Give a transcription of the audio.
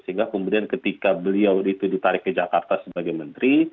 sehingga kemudian ketika beliau itu ditarik ke jakarta sebagai menteri